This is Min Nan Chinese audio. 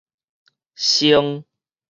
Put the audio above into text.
晟